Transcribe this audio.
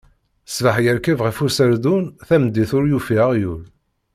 Ṣṣbeḥ irkeb ɣef userdun, tameddit ur yufi aɣyul.